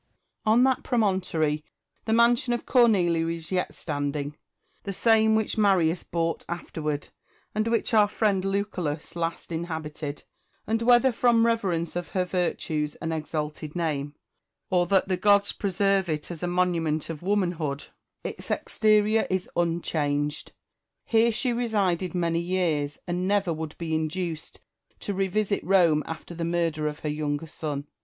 On that promontory the mansion of Cornelia is yet standing ; the same which Marius bought afterward, and which our friend Lucullus last inhabited ; and, whether from reverence of her virtues and exalted name, or that the gods preserve it as a monument of womanhood, its exterior 330 IMA GINAR V CONFERS A TIONS. is unchanged. Here she resided many years, and never would be induced to revisit Rome after the murder of her younger son.